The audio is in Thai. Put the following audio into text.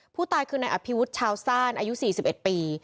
ผู้ตายคือในอภิวุธชาวสั้นอายุสี่สิบเอ็ดปี